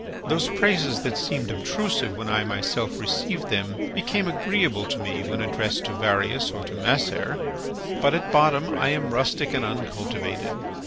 Those praises that seemed obtrusive when I myself received them became agreeable to me when addressed to Varius or to Macer. But at bottom I am rustic and uncultivated.